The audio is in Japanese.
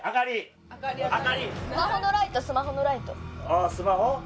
ああスマホ？